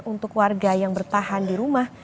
untuk warga yang bertahan di rumah